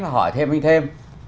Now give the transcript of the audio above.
và hỏi thêm hơn thêm